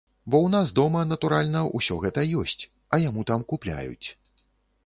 Бо ў нас дома, натуральна, усё гэта ёсць, а яму там купляюць.